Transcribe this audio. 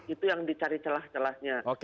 itu yang dicari celah celahnya